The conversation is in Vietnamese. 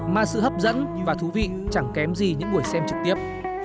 mà sự hấp dẫn và thú vị chẳng kém gì những buổi xem trực tiếp